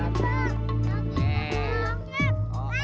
ya allah ya allah